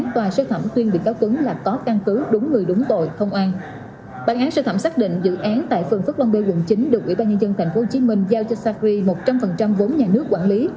tuyến được ủy ban nhân dân tp hcm giao cho sacri một trăm linh vốn nhà nước quản lý